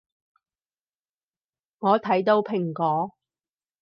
我睇到蘋果